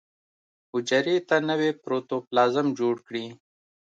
حجرې ته نوی پروتوپلازم جوړ کړي.